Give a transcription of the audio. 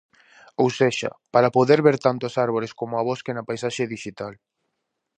Ou sexa, para poder ver tanto as árbores coma o bosque na paisaxe dixital.